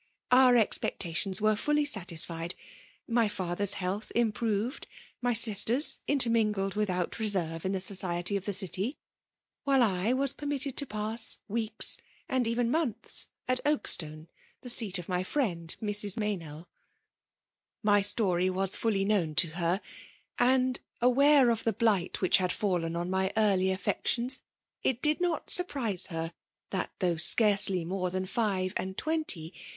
*' Our expectations were fully satisfied. My &ther*B health improved, my sisters inter mingled without reserve in the society of the city ; while I was permitted to pass weeks and even months at Oakstone, the seat of my friend Mrs. Meynell. My story was frdly known to her ; and, aware of the blight whidi had ialien on my early affections, it did not surprise her that though scarcely more than five and twenty.